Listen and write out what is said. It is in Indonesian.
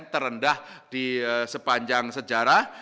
terendah di sepanjang sejarah